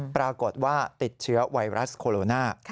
ปรากฏว่าติดเชื้อไวรัสโคโรนา